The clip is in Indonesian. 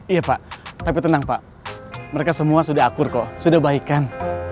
iya pak tapi tenang pak mereka semua sudah akur kok sudah baik kan